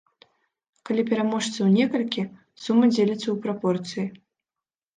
Калі пераможцаў некалькі, сума дзеліцца ў прапорцыі.